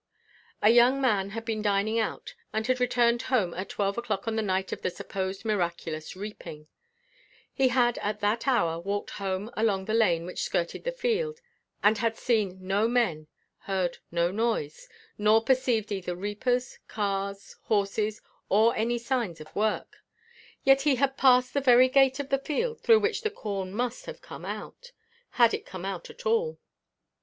A young man had been dining out, and had returned home at twelve o'clock on the night of the supposed miraculous reaping; he had at that hour walked home along the lane which skirted the field, and had seen no men heard no noise nor perceived either reapers, cars, horses, or any signs of work; yet he had passed the very gate of the field through which the corn must have come out, had it come out at all.